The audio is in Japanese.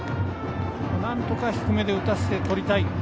なんとか低めで打たせてとりたい。